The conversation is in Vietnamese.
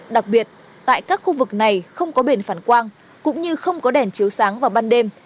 đặc biệt tại các khu vực này không có biển phản quang cũng như không có đèn chiếu sáng vào ban đêm